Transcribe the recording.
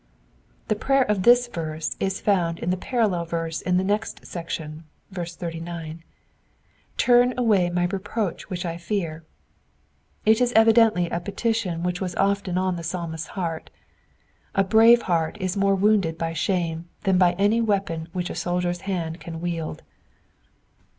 The prayer of this verse is found in the parallel verse of the next section (39) :Turn away my reproach which I fear." It is evidently a petition which was often on the Psalmist's heart. A brave heart is more wounded by shame than by any weapon which a soldier's hand can wield.